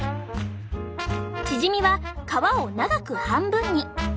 チヂミは皮を長く半分に。